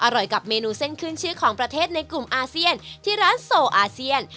กับเมนูเส้นขึ้นชื่อของประเทศในกลุ่มอาเซียนที่ร้านโซอาเซียน